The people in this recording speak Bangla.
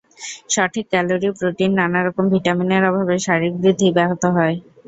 সঠিক ক্যালরি, প্রোটিন, নানা রকম ভিটামিনের অভাবে শারীরিক বৃদ্ধি ব্যাহত হয়।